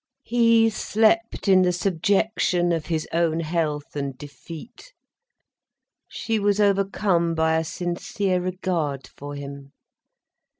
He slept in the subjection of his own health and defeat. She was overcome by a sincere regard for him.